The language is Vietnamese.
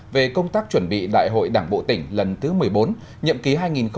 về công tác chuẩn bị đại hội đảng bộ tỉnh lần thứ một mươi bốn nhậm ký hai nghìn hai mươi hai nghìn hai mươi năm